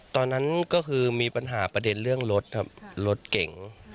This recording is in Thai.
ตอนนั้นก็คือมีปัญหาประเด็นเรื่องรถครับรถเก่ง